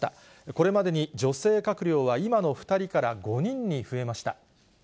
これまでに女性閣僚は今の２人から５人に増えました。